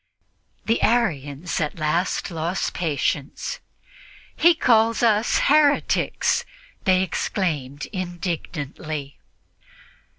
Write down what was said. The Arians at last lost patience. "He calls us heretics!" they exclaimed indignantly.